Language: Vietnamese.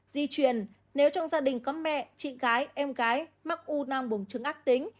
di chuyển nếu trong gia đình có mẹ chị gái em gái mắc u năng buồng trứng ác tính